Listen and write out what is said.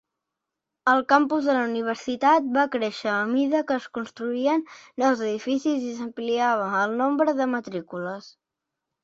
El campus de la universitat va créixer a mida que es construïen nous edificis i s"ampliava el nombre de matrícules.